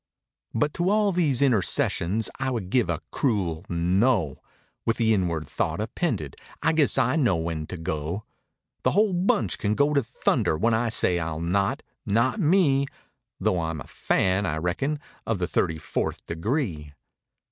But to all these intercessions I would give a cruel "No!" lOI With the inward thought appended, "I guess I know when to go. "The whole bunch can go to thunder; when I say ril not—not me" (Though Fm a fan, I reckon, of the thirty fourth degree).